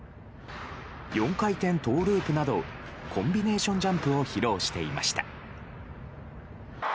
４回転トウループなどコンビネーションジャンプも披露していました。